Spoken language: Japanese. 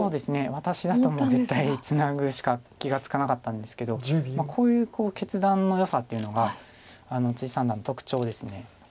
私だともう絶対ツナぐしか気が付かなかったんですけどこういう決断のよさっていうのが三段の特徴です。